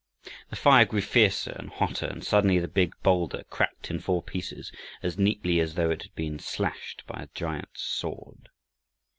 The fire grew fiercer and hotter, and suddenly the big boulder cracked in four pieces, as neatly as though it had been slashed by a giant's sword.